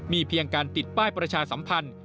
มีเพียงการติดป้ายประชาสัมพันธ์